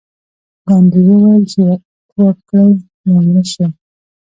ګاندي وویل چې وکړئ یا مړه شئ.